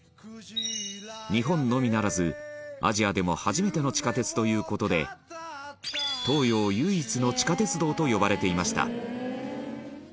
日本のみならず、アジアでも初めての地下鉄という事で東洋唯一の地下鉄道と呼ばれていました